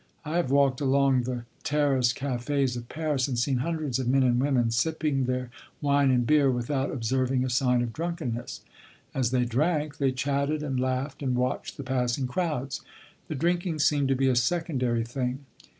I have walked along the terrace cafés of Paris and seen hundreds of men and women sipping their wine and beer, without observing a sign of drunkenness. As they drank, they chatted and laughed and watched the passing crowds; the drinking seemed to be a secondary thing.